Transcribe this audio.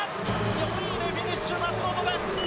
４位でフィニッシュ、松元克央！